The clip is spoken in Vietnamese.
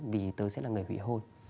vì tớ sẽ là người hủy hôn